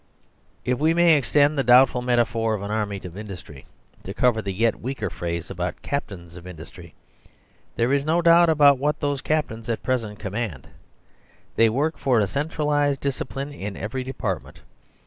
If we may extend the doubtful metaphor of an army of industry to cover the yet weaker phrase about captains of industry, there is no doubt about what those captains at present command. They work for a centralised dis cipline in every department.